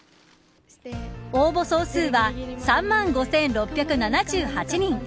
応募総数は３万５６７８人。